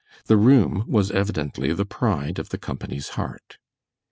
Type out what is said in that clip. The room was evidently the pride of the company's heart.